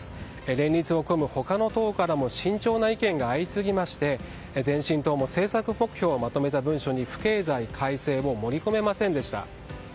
連立を組む他の党からも慎重な意見が相次ぎまして前進党も政策目標をまとめた文書に不敬罪改正も盛り込めませんでした。